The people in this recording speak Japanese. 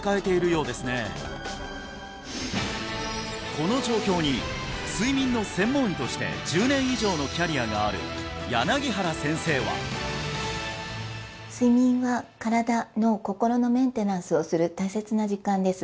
この状況に睡眠の専門医として１０年以上のキャリアがある原先生は睡眠は身体脳心のメンテナンスをする大切な時間です